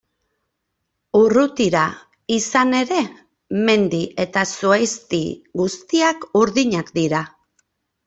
Urrutira, izan ere, mendi eta zuhaizti guztiak urdinak dira.